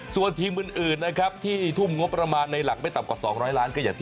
ส่วนทีมยุ่นอื่นที่ทุ่มงบประมาณในหลักไม่ต่ำกว่า๒๐๐ล้าน